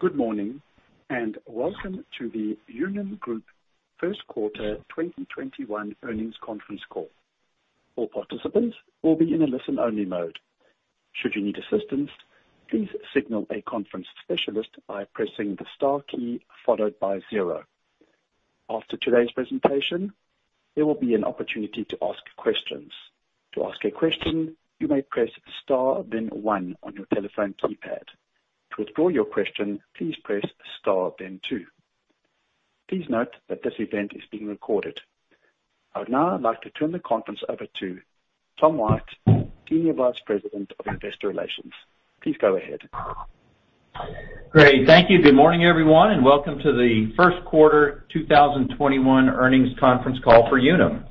Good morning, and welcome to the Unum Group first quarter 2021 earnings conference call. All participants will be in a listen-only mode. Should you need assistance, please signal a conference specialist by pressing the star key followed by zero. After today's presentation, there will be an opportunity to ask questions. To ask a question, you may press star, then one on your telephone keypad. To withdraw your question, please press star, then two. Please note that this event is being recorded. I would now like to turn the conference over to Tom White, Senior Vice President of Investor Relations. Please go ahead. Great. Thank you. Good morning, everyone, and welcome to the first quarter 2021 earnings conference call for Unum.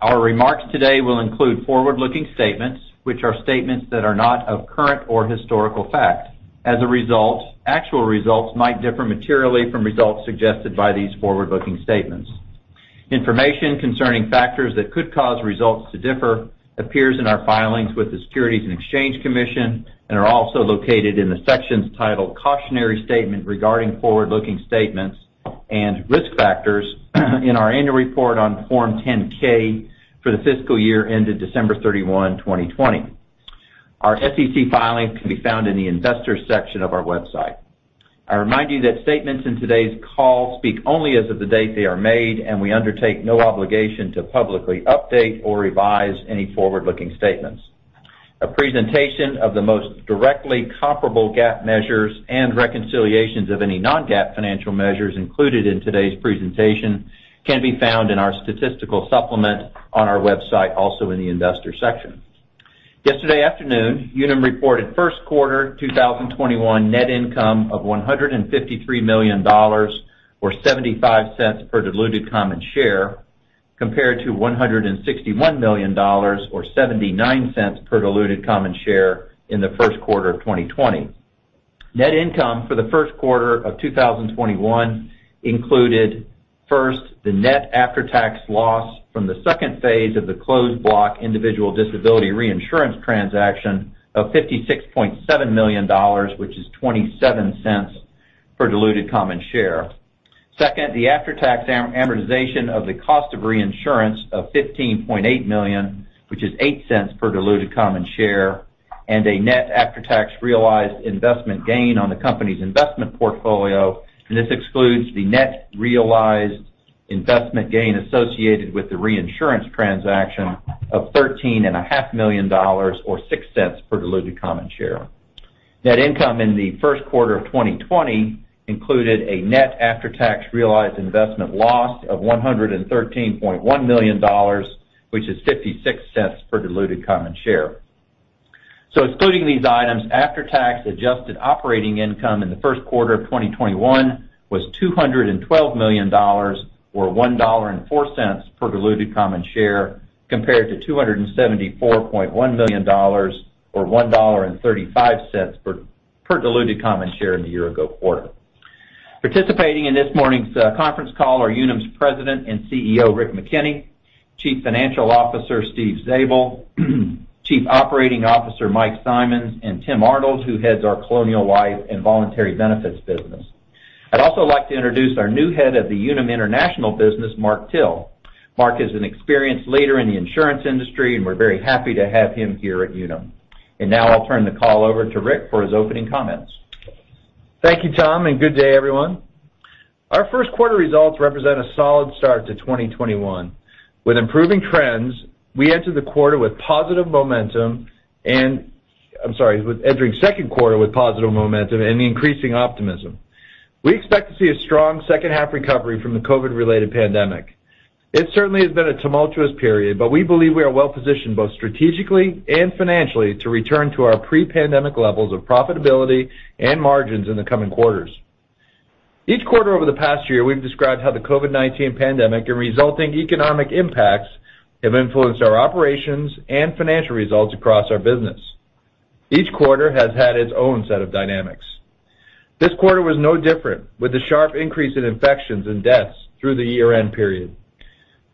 Our remarks today will include forward-looking statements, which are statements that are not of current or historical fact. As a result, actual results might differ materially from results suggested by these forward-looking statements. Information concerning factors that could cause results to differ appears in our filings with the Securities and Exchange Commission and are also located in the sections titled Cautionary Statement regarding Forward-Looking Statements and Risk Factors in our annual report on Form 10-K for the fiscal year ended December 31, 2020. Our SEC filings can be found in the Investors section of our website. I remind you that statements in today's call speak only as of the date they are made, and we undertake no obligation to publicly update or revise any forward-looking statements. A presentation of the most directly comparable GAAP measures and reconciliations of any non-GAAP financial measures included in today's presentation can be found in our statistical supplement on our website, also in the Investors section. Yesterday afternoon, Unum reported first quarter 2021 net income of $153 million, or $0.75 per diluted common share, compared to $161 million or $0.79 per diluted common share in the first quarter of 2020. Net income for the first quarter of 2021 included, first, the net after-tax loss from the second phase of the closed block individual disability reinsurance transaction of $56.7 million, which is $0.27 per diluted common share. Second, the after-tax amortization of the cost of reinsurance of $15.8 million, which is $0.08 per diluted common share, and a net after-tax realized investment gain on the company's investment portfolio. This excludes the net realized investment gain associated with the reinsurance transaction of $13.5 million, or $0.06 per diluted common share. Net income in the first quarter of 2020 included a net after-tax realized investment loss of $113.1 million, which is $0.56 per diluted common share. Excluding these items, after-tax adjusted operating income in the first quarter of 2021 was $212 million, or $1.04 per diluted common share, compared to $274.1 million or $1.35 per diluted common share in the year-ago quarter. Participating in this morning's conference call are Unum's President and CEO, Rick McKenney, Chief Financial Officer, Steve Zabel, Chief Operating Officer, Mike Simonds, and Tim Arnold, who heads our Colonial Life and Voluntary Benefits Business. I'd also like to introduce our new head of the Unum International business, Mark Till. Mark is an experienced leader in the insurance industry, and we're very happy to have him here at Unum. Now I'll turn the call over to Rick for his opening comments. Thank you, Tom. Good day, everyone. Our first quarter results represent a solid start to 2021. With improving trends, we entered the quarter with positive momentum, I'm sorry, with entering second quarter with positive momentum and increasing optimism. We expect to see a strong second-half recovery from the COVID-related pandemic. It certainly has been a tumultuous period. We believe we are well-positioned both strategically and financially to return to our pre-pandemic levels of profitability and margins in the coming quarters. Each quarter over the past year, we've described how the COVID-19 pandemic and resulting economic impacts have influenced our operations and financial results across our business. Each quarter has had its own set of dynamics. This quarter was no different, with a sharp increase in infections and deaths through the year-end period.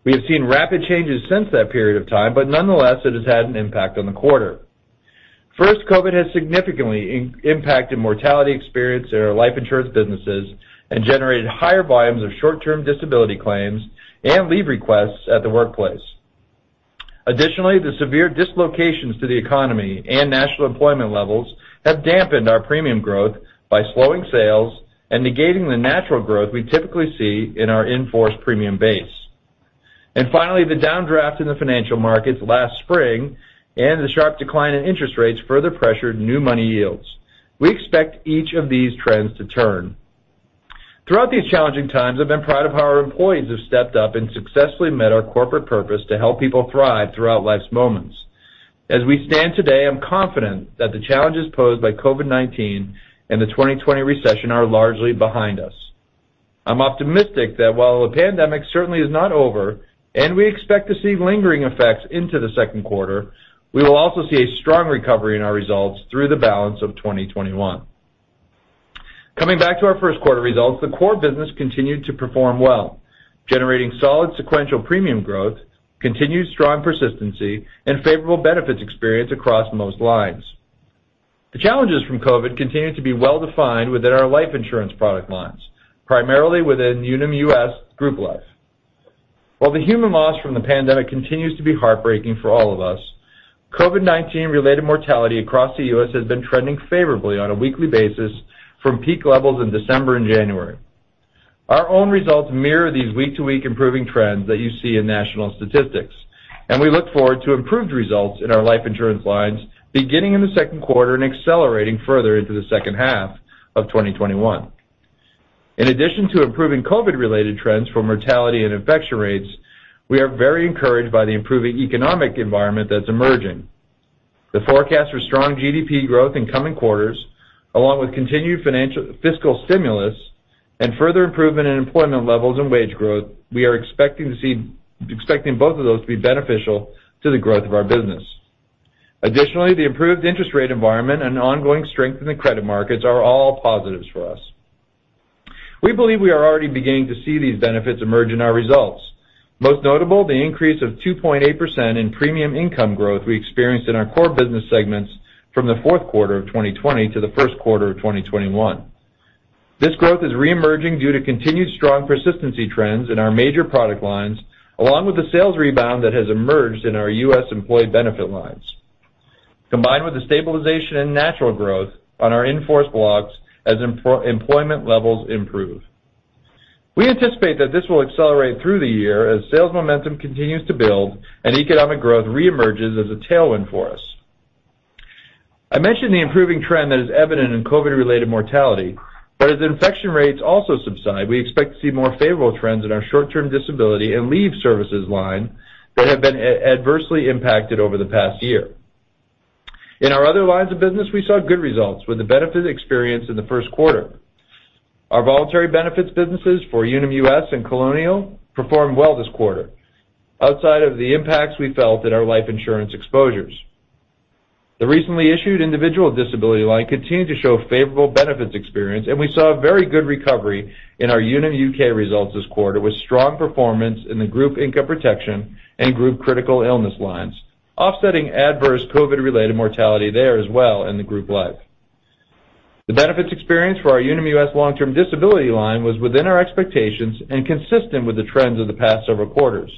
We have seen rapid changes since that period of time, nonetheless, it has had an impact on the quarter. First, COVID has significantly impacted mortality experience in our life insurance businesses and generated higher volumes of short-term disability claims and leave requests at the workplace. Additionally, the severe dislocations to the economy and national employment levels have dampened our premium growth by slowing sales and negating the natural growth we typically see in our in-force premium base. Finally, the downdraft in the financial markets last spring and the sharp decline in interest rates further pressured new money yields. We expect each of these trends to turn. Throughout these challenging times, I've been proud of how our employees have stepped up and successfully met our corporate purpose to help people thrive throughout life's moments. As we stand today, I'm confident that the challenges posed by COVID-19 and the 2020 recession are largely behind us. I'm optimistic that while the pandemic certainly is not over, and we expect to see lingering effects into the second quarter, we will also see a strong recovery in our results through the balance of 2021. Coming back to our first quarter results, the core business continued to perform well, generating solid sequential premium growth, continued strong persistency, and favorable benefits experience across most lines. The challenges from COVID continue to be well-defined within our life insurance product lines, primarily within Unum US group life. While the human loss from the pandemic continues to be heartbreaking for all of us, COVID-19 related mortality across the U.S. has been trending favorably on a weekly basis from peak levels in December and January. Our own results mirror these week-to-week improving trends that you see in national statistics, and we look forward to improved results in our life insurance lines beginning in the second quarter and accelerating further into the second half of 2021. In addition to improving COVID-related trends for mortality and infection rates, we are very encouraged by the improving economic environment that's emerging. The forecast for strong GDP growth in coming quarters, along with continued fiscal stimulus, and further improvement in employment levels and wage growth, we are expecting both of those to be beneficial to the growth of our business. Additionally, the improved interest rate environment and ongoing strength in the credit markets are all positives for us. We believe we are already beginning to see these benefits emerge in our results. Most notable, the increase of 2.8% in premium income growth we experienced in our core business segments from the fourth quarter of 2020 to the first quarter of 2021. This growth is reemerging due to continued strong persistency trends in our major product lines, along with the sales rebound that has emerged in our US employee benefits lines, combined with the stabilization and natural growth on our in-force blocks as employment levels improve. We anticipate that this will accelerate through the year as sales momentum continues to build and economic growth reemerges as a tailwind for us. I mentioned the improving trend that is evident in COVID-19-related mortality, but as infection rates also subside, we expect to see more favorable trends in our short-term disability and leave services line that have been adversely impacted over the past year. In our other lines of business, we saw good results with the benefit experience in the first quarter. Our voluntary benefits businesses for Unum US and Colonial performed well this quarter, outside of the impacts we felt at our life insurance exposures. The recently issued individual disability line continued to show favorable benefits experience, and we saw a very good recovery in our Unum UK results this quarter, with strong performance in the group income protection and group critical illness lines, offsetting adverse COVID-related mortality there as well in the group life. The benefits experience for our Unum US long-term disability line was within our expectations and consistent with the trends of the past several quarters,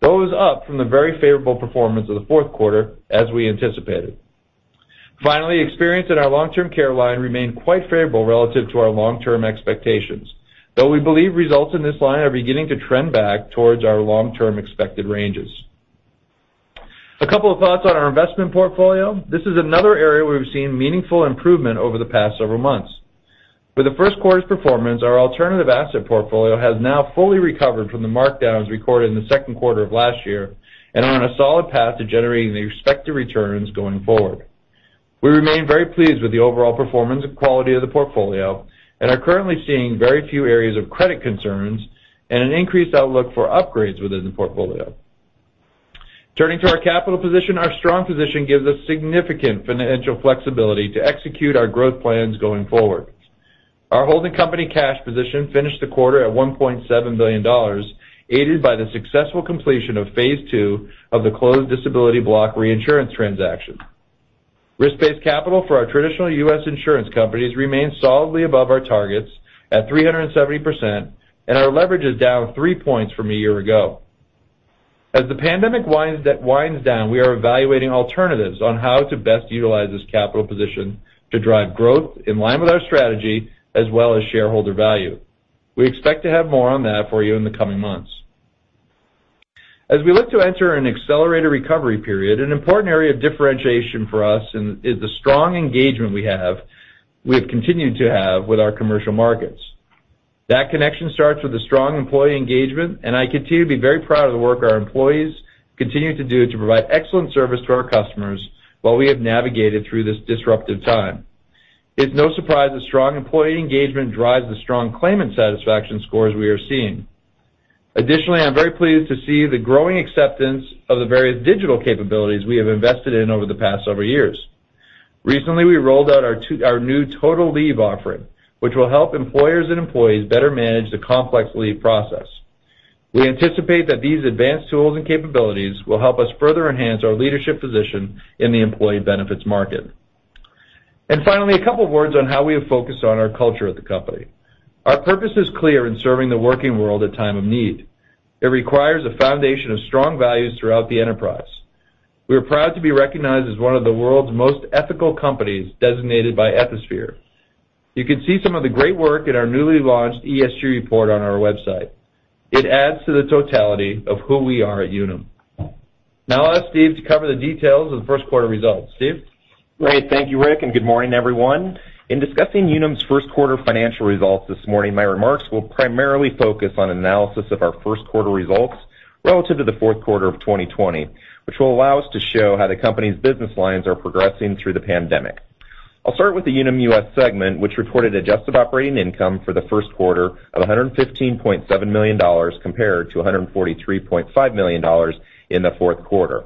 though it was up from the very favorable performance of the fourth quarter, as we anticipated. Finally, experience in our long-term care line remained quite favorable relative to our long-term expectations, though we believe results in this line are beginning to trend back towards our long-term expected ranges. A couple of thoughts on our investment portfolio. This is another area where we've seen meaningful improvement over the past several months. With the first quarter's performance, our alternative asset portfolio has now fully recovered from the markdowns recorded in the second quarter of last year and are on a solid path to generating the expected returns going forward. We remain very pleased with the overall performance and quality of the portfolio and are currently seeing very few areas of credit concerns and an increased outlook for upgrades within the portfolio. Turning to our capital position, our strong position gives us significant financial flexibility to execute our growth plans going forward. Our holding company cash position finished the quarter at $1.7 billion, aided by the successful completion of phase 2 of the closed block reinsurance transaction. Risk-based capital for our traditional US insurance companies remains solidly above our targets at 370%, and our leverage is down three points from a year ago. As the pandemic winds down, we are evaluating alternatives on how to best utilize this capital position to drive growth in line with our strategy as well as shareholder value. We expect to have more on that for you in the coming months. As we look to enter an accelerated recovery period, an important area of differentiation for us is the strong engagement we have continued to have with our commercial markets. That connection starts with a strong employee engagement, and I continue to be very proud of the work our employees continue to do to provide excellent service to our customers while we have navigated through this disruptive time. It's no surprise that strong employee engagement drives the strong claimant satisfaction scores we are seeing. Additionally, I'm very pleased to see the growing acceptance of the various digital capabilities we have invested in over the past several years. Recently, we rolled out our new Unum Total Leave offering, which will help employers and employees better manage the complex leave process. We anticipate that these advanced tools and capabilities will help us further enhance our leadership position in the employee benefits market. Finally, a couple words on how we have focused on our culture at the company. Our purpose is clear in serving the working world at time of need. It requires a foundation of strong values throughout the enterprise. We are proud to be recognized as one of the world's most ethical companies designated by Ethisphere. You can see some of the great work in our newly launched ESG report on our website. It adds to the totality of who we are at Unum. I'll ask Steve to cover the details of the first quarter results. Steve? Great. Thank you, Rick, good morning, everyone. In discussing Unum's first quarter financial results this morning, my remarks will primarily focus on analysis of our first quarter results relative to the fourth quarter of 2020, which will allow us to show how the company's business lines are progressing through the pandemic. I'll start with the Unum US segment, which reported adjusted operating income for the first quarter of $115.7 million compared to $143.5 million in the fourth quarter.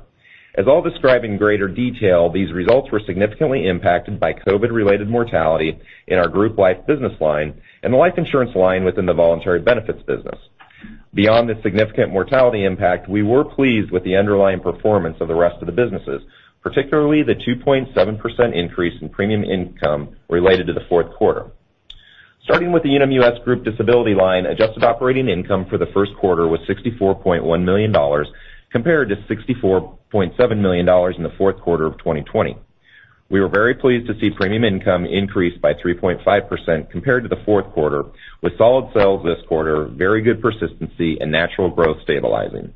As I'll describe in greater detail, these results were significantly impacted by COVID-related mortality in our group life business line and the life insurance line within the voluntary benefits business. Beyond the significant mortality impact, we were pleased with the underlying performance of the rest of the businesses, particularly the 2.7% increase in premium income related to the fourth quarter. Starting with the Unum US Group Disability line, adjusted operating income for the first quarter was $64.1 million, compared to $64.7 million in the fourth quarter of 2020. We were very pleased to see premium income increase by 3.5% compared to the fourth quarter, with solid sales this quarter, very good persistency, and natural growth stabilizing.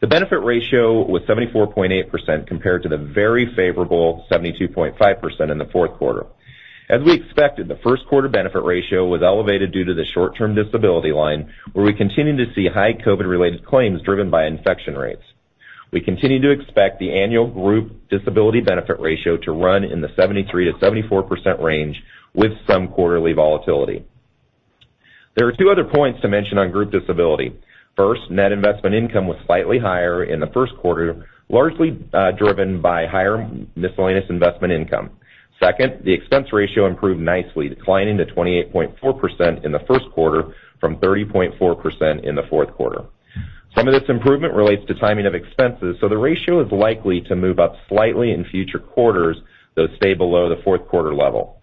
The benefit ratio was 74.8% compared to the very favorable 72.5% in the fourth quarter. As we expected, the first quarter benefit ratio was elevated due to the short-term disability line, where we continue to see high COVID-related claims driven by infection rates. We continue to expect the annual group disability benefit ratio to run in the 73%-74% range with some quarterly volatility. There are two other points to mention on group disability. First, net investment income was slightly higher in the first quarter, largely driven by higher miscellaneous investment income. Second, the expense ratio improved nicely, declining to 28.4% in the first quarter from 30.4% in the fourth quarter. Some of this improvement relates to timing of expenses, so the ratio is likely to move up slightly in future quarters, though stay below the fourth quarter level.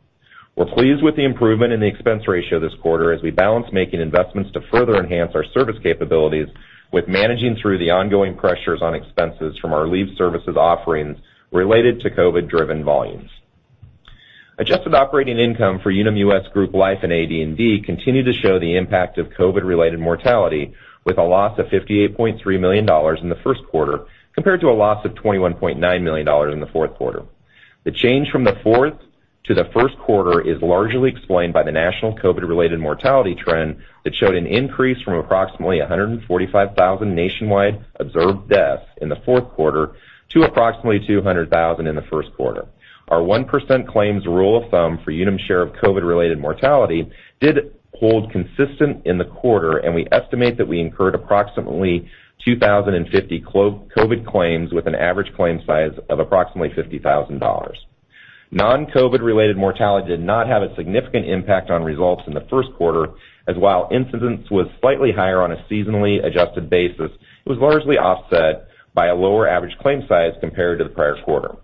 We're pleased with the improvement in the expense ratio this quarter as we balance making investments to further enhance our service capabilities with managing through the ongoing pressures on expenses from our leave services offerings related to COVID-driven volumes. Adjusted operating income for Unum US Group Life and AD&D continued to show the impact of COVID-related mortality, with a loss of $58.3 million in the first quarter, compared to a loss of $21.9 million in the fourth quarter. The change from the fourth to the first quarter is largely explained by the national COVID-related mortality trend that showed an increase from approximately 145,000 nationwide observed deaths in the fourth quarter to approximately 200,000 deaths in the first quarter. Our 1% claims rule of thumb for Unum's share of COVID-related mortality did hold consistent in the quarter, and we estimate that we incurred approximately 2,050 COVID claims with an average claim size of approximately $50,000. Non-COVID-related mortality did not have a significant impact on results in the first quarter, as while incidence was slightly higher on a seasonally adjusted basis, it was largely offset by a lower average claim size compared to the prior quarter.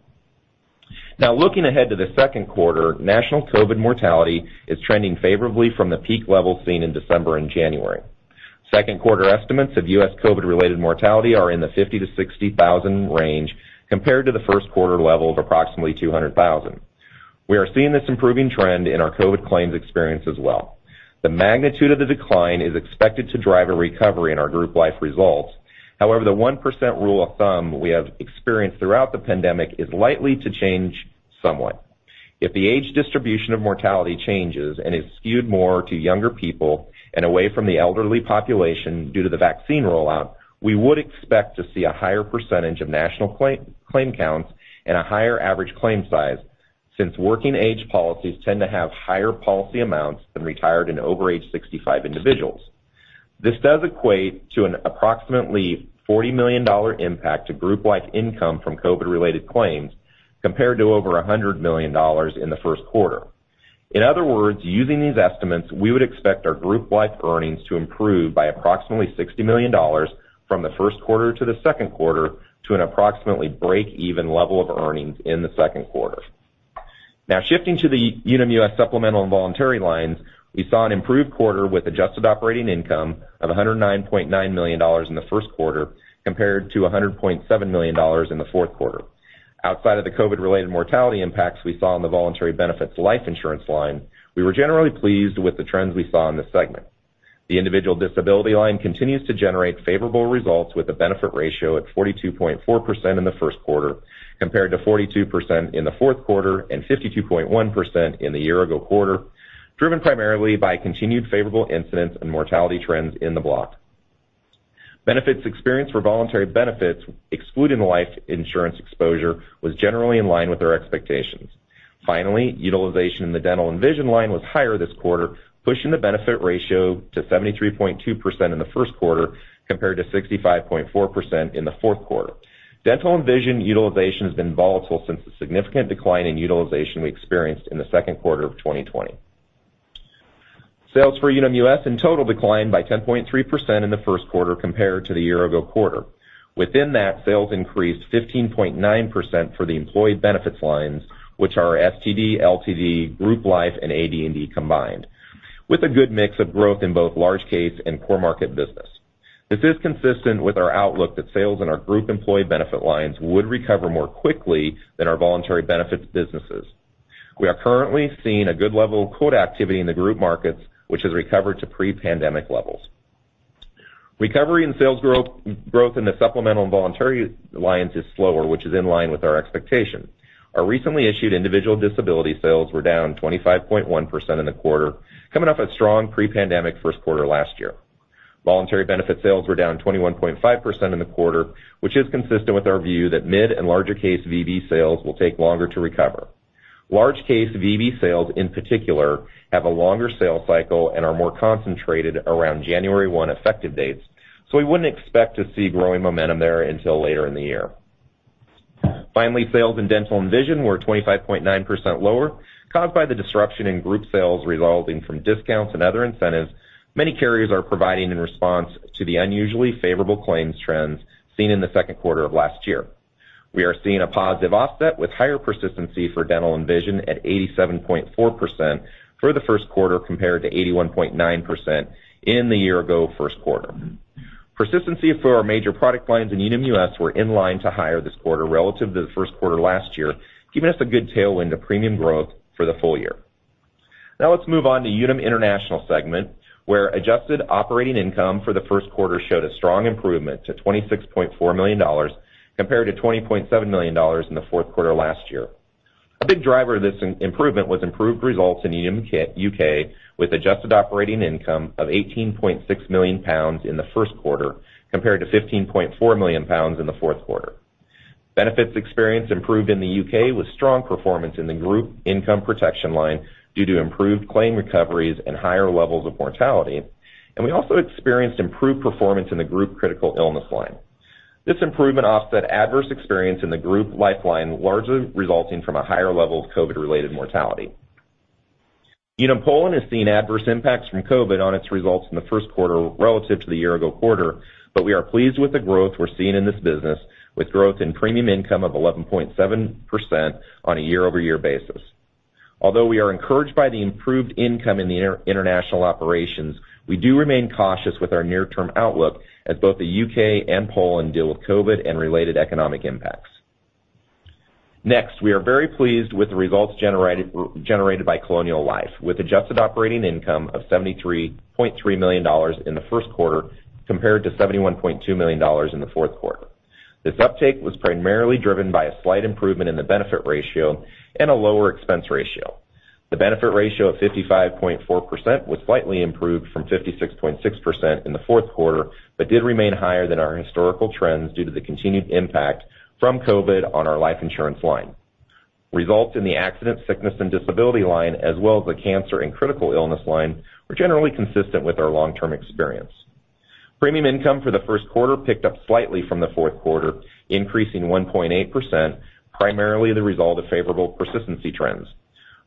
Now looking ahead to the second quarter, national COVID mortality is trending favorably from the peak levels seen in December and January. Second quarter estimates of US COVID-related mortality are in the 50,000-60,000 range, compared to the first quarter level of approximately 200,000 deaths. We are seeing this improving trend in our COVID claims experience as well. The magnitude of the decline is expected to drive a recovery in our group life results. The 1% rule of thumb we have experienced throughout the pandemic is likely to change somewhat. If the age distribution of mortality changes and is skewed more to younger people and away from the elderly population due to the vaccine rollout, we would expect to see a higher percentage of national claim counts and a higher average claim size, since working-age policies tend to have higher policy amounts than retired and over age 65 individuals. This does equate to an approximately $40 million impact to group life income from COVID-related claims, compared to over $100 million in the first quarter. In other words, using these estimates, we would expect our group life earnings to improve by approximately $60 million from the first quarter to the second quarter to an approximately break-even level of earnings in the second quarter. Shifting to the Unum US supplemental and voluntary lines, we saw an improved quarter with adjusted operating income of $109.9 million in the first quarter, compared to $100.7 million in the fourth quarter. Outside of the COVID-related mortality impacts we saw on the voluntary benefits life insurance line, we were generally pleased with the trends we saw in this segment. The individual disability line continues to generate favorable results with a benefit ratio at 42.4% in the first quarter, compared to 42% in the fourth quarter and 52.1% in the year-ago quarter, driven primarily by continued favorable incidence and mortality trends in the block. Benefits experienced for voluntary benefits, excluding the life insurance exposure, was generally in line with our expectations. Finally, utilization in the dental and vision line was higher this quarter, pushing the benefit ratio to 73.2% in the first quarter compared to 65.4% in the fourth quarter. Dental and vision utilization has been volatile since the significant decline in utilization we experienced in the second quarter of 2020. Sales for Unum US in total declined by 10.3% in the first quarter compared to the year-ago quarter. Within that, sales increased 15.9% for the employee benefits lines, which are STD, LTD, group life, and AD&D combined, with a good mix of growth in both large case and core market business. This is consistent with our outlook that sales in our group employee benefit lines would recover more quickly than our voluntary benefits businesses. We are currently seeing a good level of quote activity in the group markets, which has recovered to pre-pandemic levels. Recovery in sales growth in the supplemental and voluntary lines is slower, which is in line with our expectations. Our recently issued individual disability sales were down 25.1% in the quarter, coming off a strong pre-pandemic first quarter last year. Voluntary benefit sales were down 21.5% in the quarter, which is consistent with our view that mid and larger case VB sales will take longer to recover. Large case VB sales in particular, have a longer sales cycle and are more concentrated around January 1 effective dates, so we wouldn't expect to see growing momentum there until later in the year. Finally, sales in dental and vision were 25.9% lower, caused by the disruption in group sales resulting from discounts and other incentives many carriers are providing in response to the unusually favorable claims trends seen in the second quarter of last year. We are seeing a positive offset with higher persistency for dental and vision at 87.4% for the first quarter, compared to 81.9% in the year-ago first quarter. Persistency for our major product lines in Unum US were in line to higher this quarter relative to the first quarter last year, giving us a good tailwind of premium growth for the full year. Let's move on to Unum International segment, where adjusted operating income for the first quarter showed a strong improvement to $26.4 million, compared to $20.7 million in the fourth quarter last year. A big driver of this improvement was improved results in Unum UK, with adjusted operating income of 18.6 million pounds in the first quarter, compared to 15.4 million pounds in the fourth quarter. Benefits experience improved in the U.K., with strong performance in the group income protection line due to improved claim recoveries and higher levels of mortality. We also experienced improved performance in the group critical illness line. This improvement offset adverse experience in the group life line, largely resulting from a higher level of COVID-related mortality. Unum Poland has seen adverse impacts from COVID on its results in the first quarter relative to the year-ago quarter. We are pleased with the growth we're seeing in this business, with growth in premium income of 11.7% on a year-over-year basis. We are encouraged by the improved income in the international operations, we do remain cautious with our near-term outlook as both the U.K. and Poland deal with COVID and related economic impacts. We are very pleased with the results generated by Colonial Life, with adjusted operating income of $73.3 million in the first quarter compared to $71.2 million in the fourth quarter. This uptake was primarily driven by a slight improvement in the benefit ratio and a lower expense ratio. The benefit ratio of 55.4% was slightly improved from 56.6% in the fourth quarter, but did remain higher than our historical trends due to the continued impact from COVID-19 on our life insurance line. Results in the accident, sickness, and disability line, as well as the cancer and critical illness line, were generally consistent with our long-term experience. Premium income for the first quarter picked up slightly from the fourth quarter, increasing 1.8%, primarily the result of favorable persistency trends.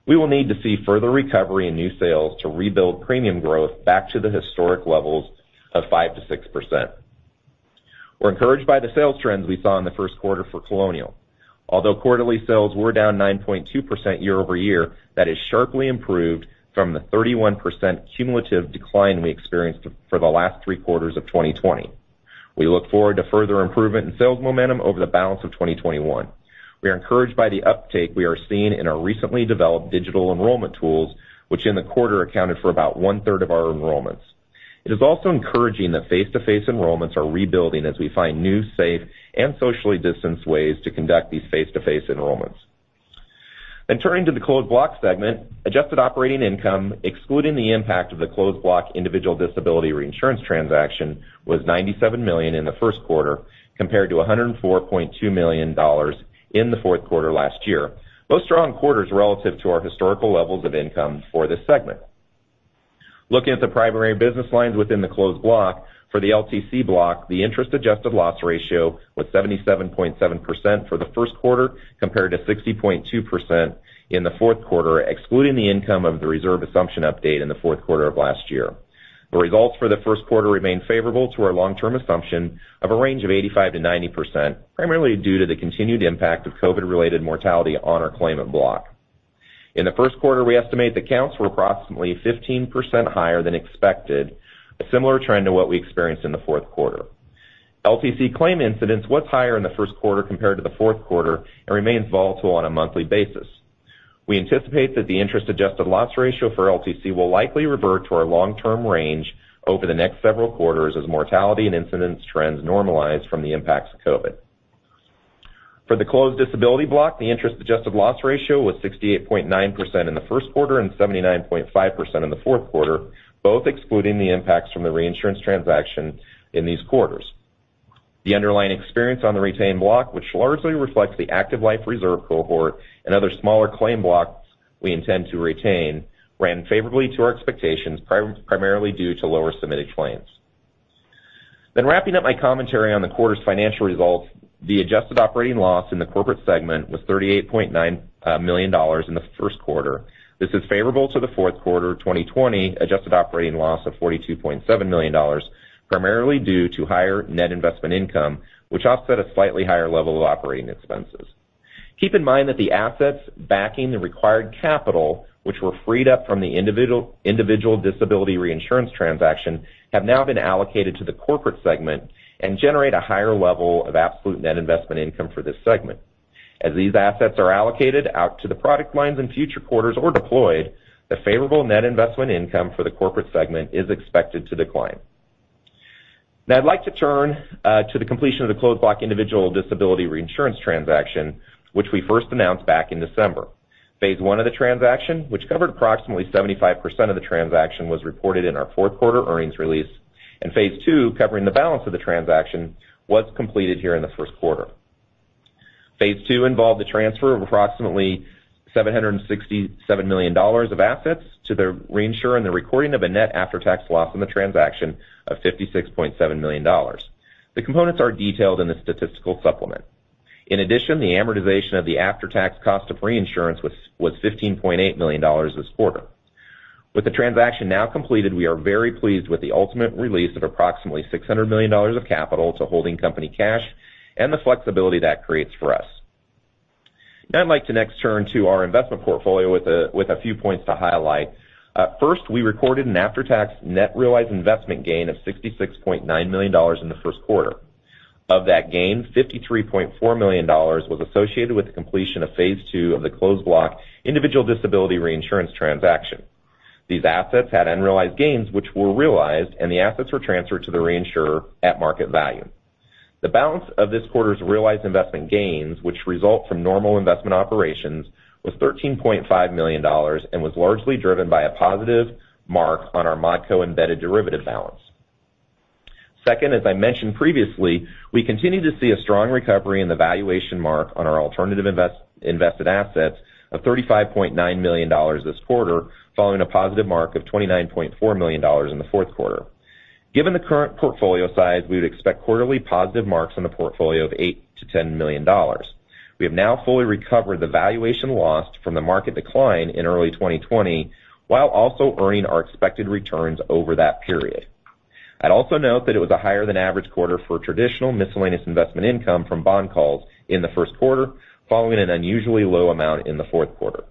We will need to see further recovery in new sales to rebuild premium growth back to the historic levels of 5%-6%. We're encouraged by the sales trends we saw in the first quarter for Colonial. Although quarterly sales were down 9.2% year-over-year, that is sharply improved from the 31% cumulative decline we experienced for the last three quarters of 2020. We look forward to further improvement in sales momentum over the balance of 2021. We are encouraged by the uptake we are seeing in our recently developed digital enrollment tools, which in the quarter accounted for about one-third of our enrollments. It is also encouraging that face-to-face enrollments are rebuilding as we find new, safe, and socially distanced ways to conduct these face-to-face enrollments. Turning to the closed block segment, adjusted operating income, excluding the impact of the closed block individual disability reinsurance transaction, was $97 million in the first quarter, compared to $104.2 million in the fourth quarter last year. Both strong quarters relative to our historical levels of income for this segment. Looking at the primary business lines within the closed block, for the LTC block, the interest-adjusted loss ratio was 77.7% for the first quarter, compared to 60.2% in the fourth quarter, excluding the income of the reserve assumption update in the fourth quarter of last year. The results for the first quarter remain favorable to our long-term assumption of a range of 85%-90%, primarily due to the continued impact of COVID-related mortality on our claimant block. In the first quarter, we estimate the counts were approximately 15% higher than expected, a similar trend to what we experienced in the fourth quarter. LTC claim incidents was higher in the first quarter compared to the fourth quarter, and remains volatile on a monthly basis. We anticipate that the interest-adjusted loss ratio for LTC will likely revert to our long-term range over the next several quarters as mortality and incidence trends normalize from the impacts of COVID. For the closed disability block, the interest-adjusted loss ratio was 68.9% in the first quarter and 79.5% in the fourth quarter, both excluding the impacts from the reinsurance transaction in these quarters. The underlying experience on the retained block, which largely reflects the active life reserve cohort and other smaller claim blocks we intend to retain, ran favorably to our expectations, primarily due to lower submitted claims. Wrapping up my commentary on the quarter's financial results, the adjusted operating loss in the corporate segment was $38.9 million in the first quarter. This is favorable to the fourth quarter 2020 adjusted operating loss of $42.7 million, primarily due to higher net investment income, which offset a slightly higher level of operating expenses. Keep in mind that the assets backing the required capital, which were freed up from the individual disability reinsurance transaction, have now been allocated to the corporate segment and generate a higher level of absolute net investment income for this segment. As these assets are allocated out to the product lines in future quarters or deployed, the favorable net investment income for the corporate segment is expected to decline. I'd like to turn to the completion of the closed block individual disability reinsurance transaction, which we first announced back in December. Phase 1 of the transaction, which covered approximately 75% of the transaction, was reported in our fourth quarter earnings release. Phase 2, covering the balance of the transaction, was completed here in the first quarter. Phase 2 involved the transfer of approximately $767 million of assets to the reinsurer and the recording of a net after-tax loss on the transaction of $56.7 million. The components are detailed in the statistical supplement. In addition, the amortization of the after-tax cost of reinsurance was $15.8 million this quarter. With the transaction now completed, we are very pleased with the ultimate release of approximately $600 million of capital to holding company cash and the flexibility that creates for us. Now I'd like to next turn to our investment portfolio with a few points to highlight. First, we recorded an after-tax net realized investment gain of $66.9 million in the first quarter. Of that gain, $53.4 million was associated with the completion of phase 2 of the closed block individual disability reinsurance transaction. These assets had unrealized gains, which were realized, and the assets were transferred to the reinsurer at market value. The balance of this quarter's realized investment gains, which result from normal investment operations, was $13.5 million and was largely driven by a positive mark on our ModCo embedded derivative balance. Second, as I mentioned previously, we continue to see a strong recovery in the valuation mark on our alternative invested assets of $35.9 million this quarter, following a positive mark of $29.4 million in the fourth quarter. Given the current portfolio size, we would expect quarterly positive marks on the portfolio of $8-$10 million. We have now fully recovered the valuation lost from the market decline in early 2020, while also earning our expected returns over that period. I'd also note that it was a higher than average quarter for traditional miscellaneous investment income from bond calls in the first quarter, following an unusually low amount in the fourth quarter.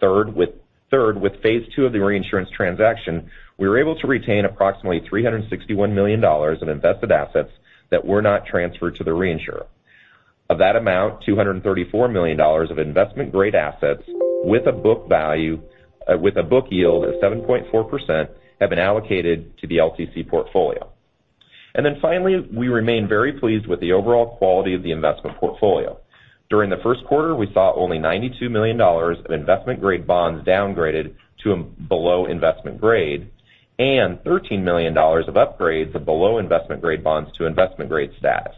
Third, with phase 2 of the reinsurance transaction, we were able to retain approximately $361 million in invested assets that were not transferred to the reinsurer. Of that amount, $234 million of investment-grade assets with a book yield of 7.4% have been allocated to the LTC portfolio. Finally, we remain very pleased with the overall quality of the investment portfolio. During the first quarter, we saw only $92 million of investment-grade bonds downgraded to below investment grade and $13 million of upgrades of below investment-grade bonds to investment-grade status.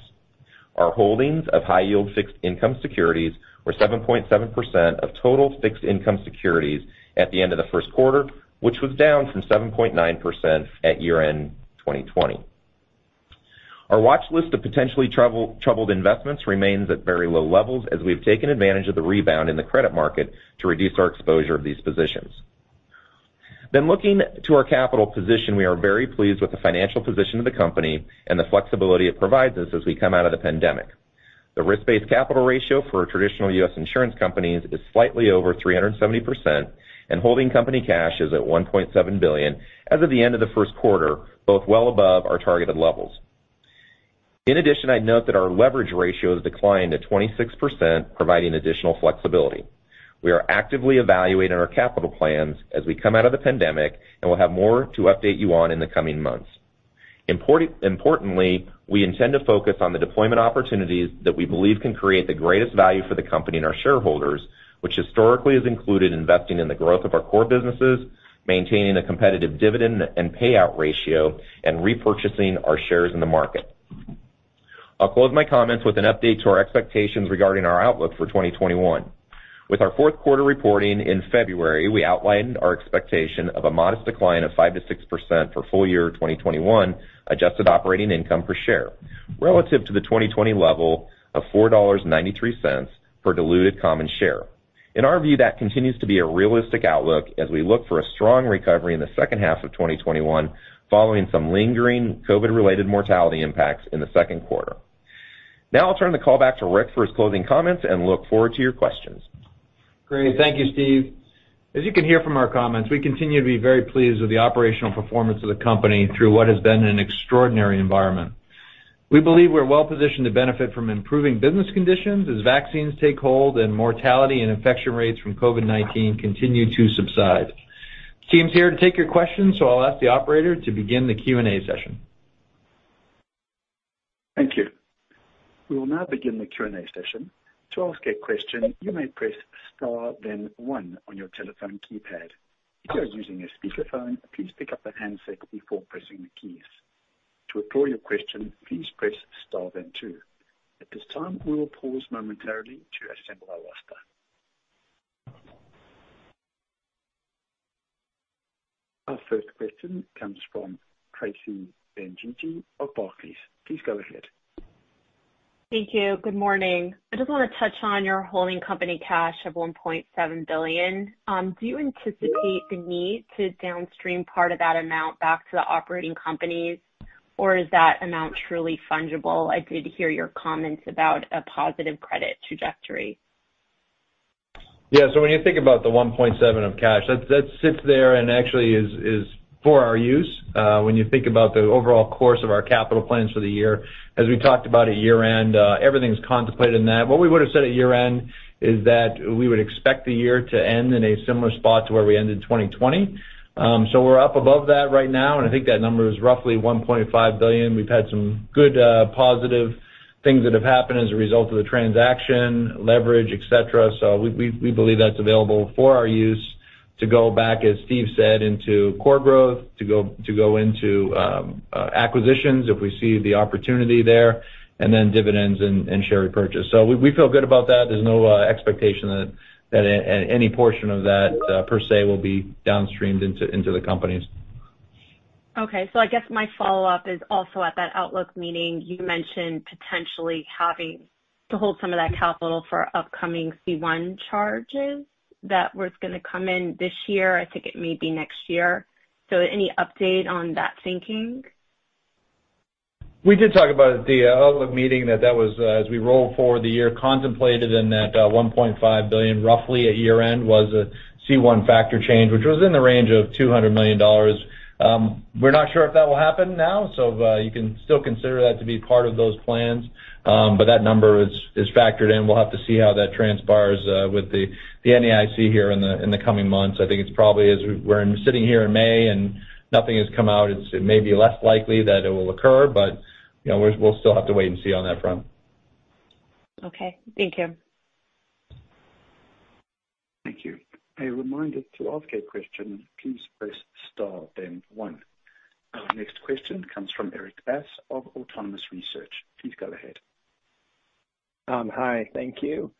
Our holdings of high-yield fixed income securities were 7.7% of total fixed income securities at the end of the first quarter, which was down from 7.9% at year-end 2020. Our watch list of potentially troubled investments remains at very low levels, as we've taken advantage of the rebound in the credit market to reduce our exposure of these positions. Looking to our capital position, we are very pleased with the financial position of the company and the flexibility it provides us as we come out of the pandemic. The risk-based capital ratio for traditional US insurance companies is slightly over 370%, and holding company cash is at $1.7 billion as of the end of the first quarter, both well above our targeted levels. In addition, I'd note that our leverage ratio has declined to 26%, providing additional flexibility. We are actively evaluating our capital plans as we come out of the pandemic, and we'll have more to update you on in the coming months. Importantly, we intend to focus on the deployment opportunities that we believe can create the greatest value for the company and our shareholders, which historically has included investing in the growth of our core businesses, maintaining a competitive dividend and payout ratio, and repurchasing our shares in the market. I'll close my comments with an update to our expectations regarding our outlook for 2021. With our fourth quarter reporting in February, we outlined our expectation of a modest decline of 5%-6% for full year 2021 adjusted operating income per share relative to the 2020 level of $4.93 per diluted common share. In our view, that continues to be a realistic outlook as we look for a strong recovery in the second half of 2021, following some lingering COVID-related mortality impacts in the second quarter. I'll turn the call back to Rick for his closing comments and look forward to your questions. Great. Thank you, Steve. As you can hear from our comments, we continue to be very pleased with the operational performance of the company through what has been an extraordinary environment. We believe we're well positioned to benefit from improving business conditions as vaccines take hold and mortality and infection rates from COVID-19 continue to subside. Team's here to take your questions. I'll ask the operator to begin the Q&A session. Thank you. We will now begin the Q&A session. To ask a question, you may press star then one on your telephone keypad. If you are using a speakerphone, please pick up the handset before pressing the keys. To withdraw your question, please press star then two. At this time, we will pause momentarily to assemble our roster. Our first question comes from Tracy Benguigui of Barclays. Please go ahead. Thank you. Good morning. I just want to touch on your holding company cash of $1.7 billion. Do you anticipate the need to downstream part of that amount back to the operating companies, or is that amount truly fungible? I did hear your comments about a positive credit trajectory. When you think about the $1.7 billion of cash, that sits there and actually is for our use. When you think about the overall course of our capital plans for the year, as we talked about at year-end, everything's contemplated in that. What we would've said at year-end is that we would expect the year to end in a similar spot to where we ended 2020. We're up above that right now, and I think that number is roughly $1.5 billion. We've had some good positive things that have happened as a result of the transaction, leverage, et cetera. We believe that's available for our use. To go back, as Steve said, into core growth, to go into acquisitions if we see the opportunity there, and then dividends and share repurchase. We feel good about that. There's no expectation that any portion of that per se will be downstreamed into the companies. Okay. I guess my follow-up is also at that outlook meeting, you mentioned potentially having to hold some of that capital for upcoming C1 charges that were going to come in this year. I think it may be next year. Any update on that thinking? We did talk about at the outlook meeting that was, as we roll forward the year, contemplated in that $1.5 billion roughly at year-end was a C1 factor change, which was in the range of $200 million. We're not sure if that will happen now, so you can still consider that to be part of those plans. That number is factored in. We'll have to see how that transpires with the NAIC here in the coming months. I think it's probably as we're sitting here in May and nothing has come out, it may be less likely that it will occur, but we'll still have to wait and see on that front. Okay. Thank you. Thank you. A reminder, to ask a question, please press star then one. Our next question comes from Erik Bass of Autonomous Research. Please go ahead. Hi. Thank you.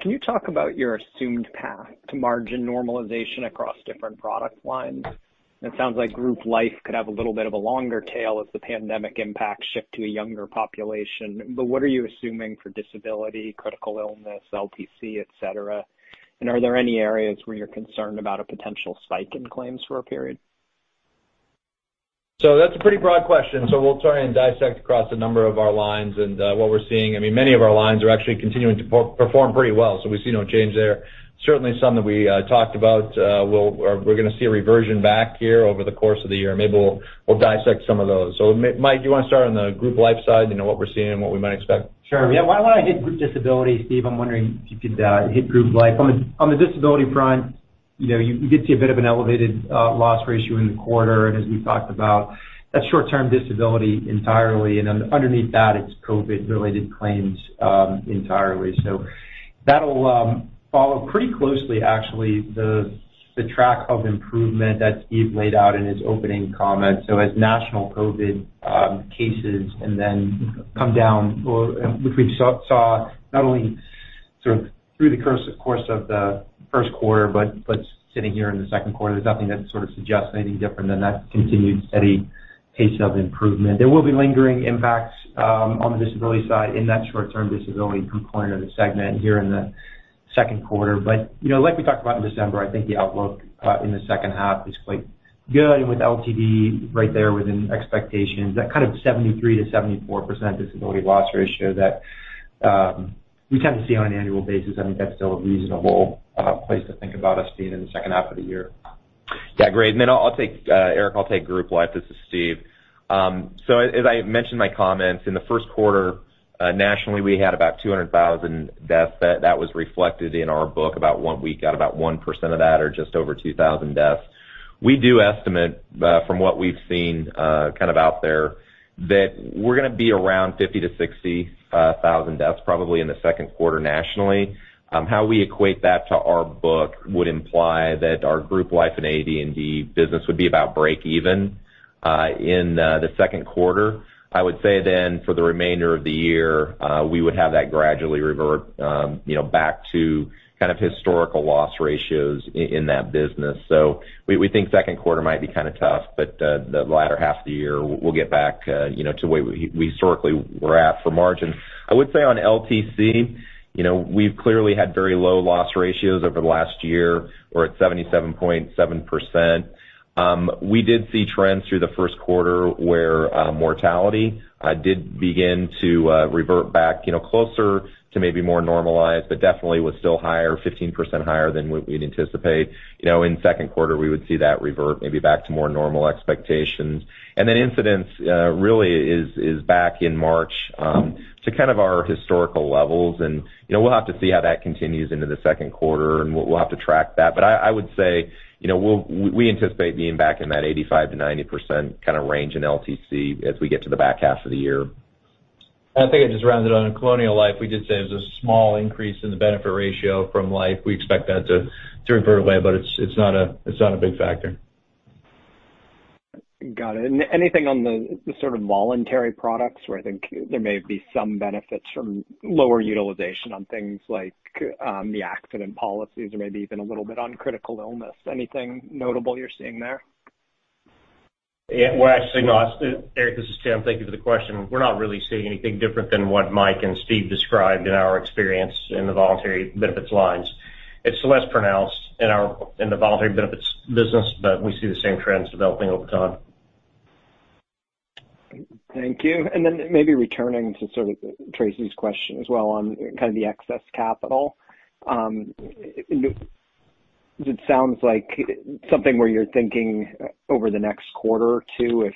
Can you talk about your assumed path to margin normalization across different product lines? It sounds like group life could have a little bit of a longer tail as the pandemic impact shift to a younger population, but what are you assuming for disability, critical illness, LTC, et cetera? Are there any areas where you're concerned about a potential spike in claims for a period? That's a pretty broad question. We'll try and dissect across a number of our lines and what we're seeing. Many of our lines are actually continuing to perform pretty well. We see no change there. Certainly, some that we talked about, we're going to see a reversion back here over the course of the year. Maybe we'll dissect some of those. Mike, do you want to start on the group life side, what we're seeing and what we might expect? Sure. Yeah. Why don't I hit group disability, Steve? I'm wondering if you could hit group life. On the disability front, you did see a bit of an elevated loss ratio in the quarter, and as we talked about, that's short-term disability entirely, and underneath that, it's COVID-19-related claims entirely. That'll follow pretty closely, actually, the track of improvement that Steve laid out in his opening comments. As national COVID-19 cases then come down, which we saw not only through the course of the first quarter, but sitting here in the second quarter, there's nothing that sort of suggests anything different than that continued steady pace of improvement. There will be lingering impacts on the disability side in that short-term disability component of the segment here in the second quarter. Like we talked about in December, I think the outlook in the second half is quite good with LTD right there within expectations. That kind of 73%-74% disability loss ratio that we tend to see on an annual basis, I think that's still a reasonable place to think about us being in the second half of the year. Yeah. Great. Erik, I'll take group life. This is Steve. As I mentioned in my comments, in the first quarter, nationally, we had about 200,000 deaths. That was reflected in our book. We got about 1% of that, or just over 2,000 deaths. We do estimate, from what we've seen out there, that we're going to be around 50,000 deaths-60,000 deaths probably in the second quarter nationally. How we equate that to our book would imply that our Group Life and AD&D business would be about breakeven in the second quarter. I would say for the remainder of the year, we would have that gradually revert back to kind of historical loss ratios in that business. We think second quarter might be kind of tough, but the latter half of the year, we'll get back to where we historically were at for margin. I would say on LTC, we've clearly had very low loss ratios over the last year. We're at 77.7%. We did see trends through the first quarter where mortality did begin to revert back closer to maybe more normalized, but definitely was still higher, 15% higher than what we'd anticipate. In second quarter, we would see that revert maybe back to more normal expectations. Incidence really is back in March to kind of our historical levels, and we'll have to see how that continues into the second quarter, and we'll have to track that. I would say, we anticipate being back in that 85%-90% kind of range in LTC as we get to the back half of the year. I think I'd just rounded on colonial life, we did say it was a small increase in the benefit ratio from life. We expect that to revert away, but it's not a big factor. Got it. Anything on the sort of voluntary products where I think there may be some benefits from lower utilization on things like the accident policies or maybe even a little bit on critical illness? Anything notable you're seeing there? Yeah. Well, actually, no. Erik, this is Tim. Thank you for the question. We're not really seeing anything different than what Mike and Steve described in our experience in the voluntary benefits lines. It's less pronounced in the voluntary benefits business, but we see the same trends developing over time. Thank you. Maybe returning to sort of Tracy's question as well on kind of the excess capital. It sounds like something where you're thinking over the next quarter or two, if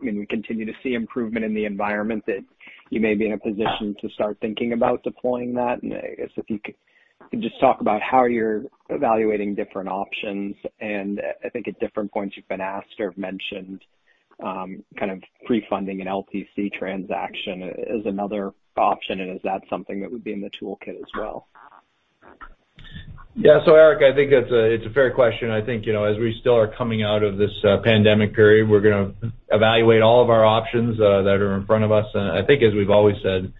we continue to see improvement in the environment, that you may be in a position to start thinking about deploying that. I guess if you could just talk about how you're evaluating different options, and I think at different points you've been asked or mentioned kind of pre-funding an LTC transaction as another option, and is that something that would be in the toolkit as well? Yeah. Erik, I think it's a fair question. I think as we still are coming out of this pandemic period, we're going to evaluate all of our options that are in front of us. I think as we've always said,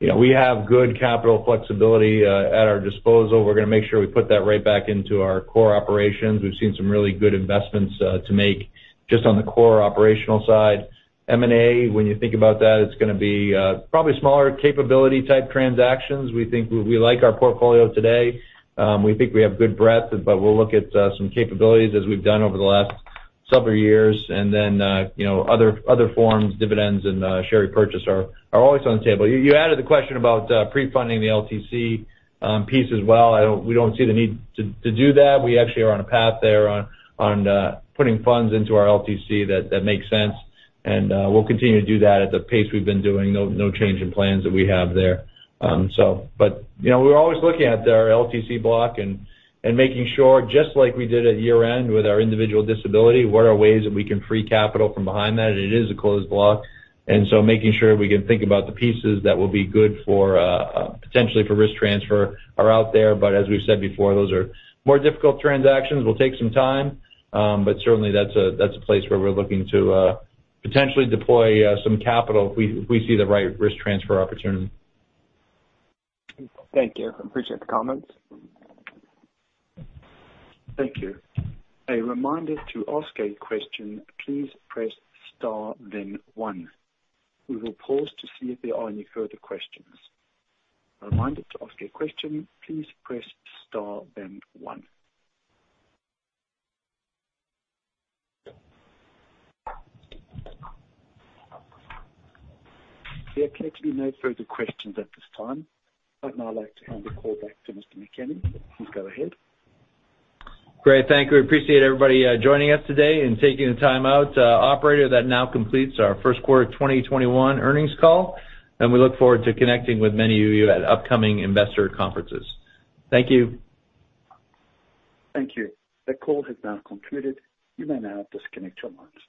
we have good capital flexibility at our disposal. We're going to make sure we put that right back into our core operations. We've seen some really good investments to make just on the core operational side. M&A, when you think about that, it's going to be probably smaller capability type transactions. We like our portfolio today. We think we have good breadth, but we'll look at some capabilities as we've done over the last several years. Then other forms, dividends and share repurchase are always on the table. You added the question about pre-funding the LTC piece as well. We don't see the need to do that. We actually are on a path there on putting funds into our LTC that makes sense, and we'll continue to do that at the pace we've been doing. No change in plans that we have there. We're always looking at our LTC block and making sure, just like we did at year-end with our individual disability, what are ways that we can free capital from behind that? It is a closed block. Making sure we can think about the pieces that will be good potentially for risk transfer are out there. As we've said before, those are more difficult transactions, will take some time. Certainly, that's a place where we're looking to potentially deploy some capital if we see the right risk transfer opportunity. Thank you. Appreciate the comments. Thank you. A reminder to ask a question, please press star then one. We will pause to see if there are any further questions. A reminder to ask a question, please press star then one. There appear to be no further questions at this time. I'd now like to hand the call back to Mr. McKenney. Please go ahead. Great. Thank you. Appreciate everybody joining us today and taking the time out. Operator, that now completes our first quarter 2021 earnings call, and we look forward to connecting with many of you at upcoming investor conferences. Thank you. Thank you. The call has now concluded. You may now disconnect your lines.